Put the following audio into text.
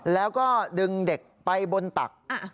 แล้วก็ดึงเด็กไปบนตัก